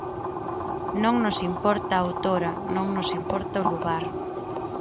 Non nos importa a autora, non nos importa o lugar.